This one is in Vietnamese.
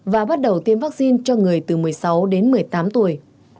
và bắt đầu tiêm vaccine cho người từ một mươi sáu đến một mươi tám tuổi